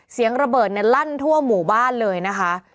เสียงระเบิดเนี่ยลั่นทั่วหมู่บ้านเลยนะคะ